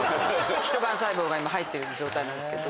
ヒト幹細胞が今入ってる状態なんですけど。